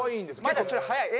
まだちょっと早い。